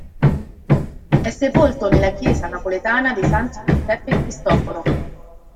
È sepolto nella chiesa napoletana dei Santi Giuseppe e Cristoforo.